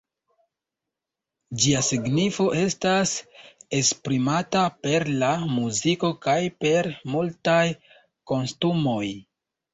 Ĝia signifo estas esprimata per la muziko kaj per multaj kostumoj.